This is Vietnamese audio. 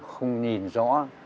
không nhìn rõ